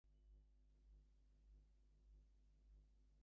He created a practical approach to designing a landscape.